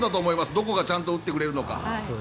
どこがちゃんと打ってくれるのか。